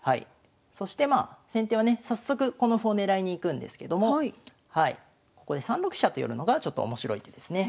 そしてまあ先手はね早速この歩を狙いに行くんですけどもここで３六飛車と寄るのがちょっと面白い手ですね。